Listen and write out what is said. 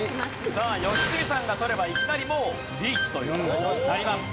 さあ良純さんが取ればいきなりもうリーチという事になります。